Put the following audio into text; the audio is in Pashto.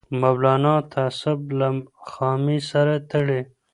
مولانا تعصب له خامۍ سره تړي